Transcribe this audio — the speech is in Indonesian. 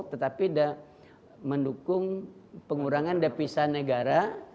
tetapi mendukung pengurangan depisa negara